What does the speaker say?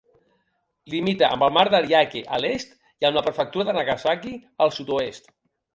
Limita amb el mar d'Ariake a l'est i amb la prefectura de Nagasaki al sud-oest.